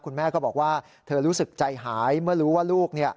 คุณแม่ก็บอกว่าเธอรู้สึกใจหายเมื่อรู้ว่าลูก